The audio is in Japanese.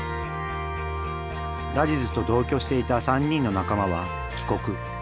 ラジズと同居していた３人の仲間は帰国。